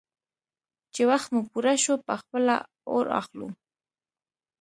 _چې وخت مو پوره شو، په خپله اور اخلو.